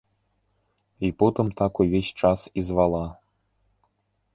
І потым так увесь час і звала.